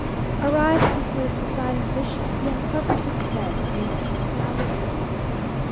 Arrived before the presiding bishop, he uncovered his head, and made a profound obeisance.